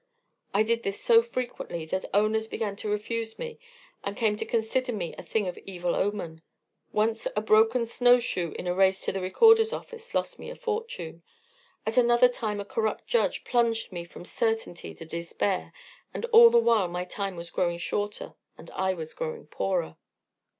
I did this so frequently that owners began to refuse me and came to consider me a thing of evil omen. Once a broken snow shoe in a race to the recorder's office lost me a fortune; at another time a corrupt judge plunged me from certainty to despair, and all the while my time was growing shorter and I was growing poorer.